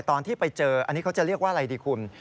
ตอนที่ไปเจออันนี้เขาจะเรียกว่าอะไรดีคุณ